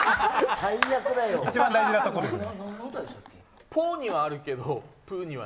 一番大事なところです。